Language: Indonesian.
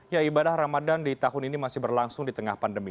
ya ibadah ramadan di tahun ini masih berlangsung di tengah pandemi